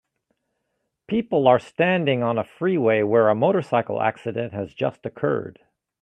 People are standing on a freeway where a motorcycle accident has just occurred.